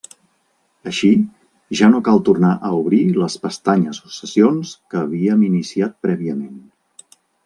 Així, ja no cal tornar a obrir les pestanyes o sessions que havíem iniciat prèviament.